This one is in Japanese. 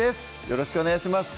よろしくお願いします